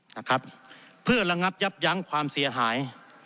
นะครับเพื่อระงับยับยั้งความเสียหาย